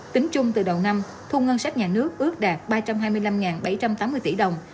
tính chung từ đầu năm thu ngân sách nhà nước ước đạt ba trăm hai mươi năm bảy trăm tám mươi tỷ đồng